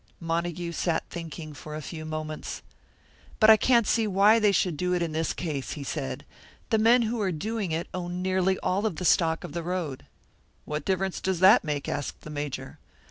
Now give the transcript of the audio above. Montague sat thinking for a few moments. "But I can't see why they should do it in this case," he said. "The men who are doing it own nearly all of the stock of the road." "What difference does that make?" asked the Major.